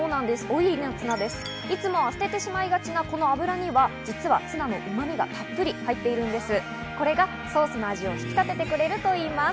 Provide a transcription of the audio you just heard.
いつもは捨ててしまいがちな油には実はツナの旨味がたっぷり入っています。